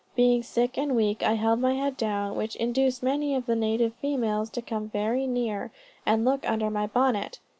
Being sick and weak, I held my head down, which induced many of the native females to come very near, and look under my bonnet.